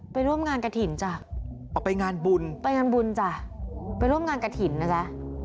ร่วมงานกระถิ่นจ้ะเอาไปงานบุญไปงานบุญจ้ะไปร่วมงานกระถิ่นนะจ๊ะ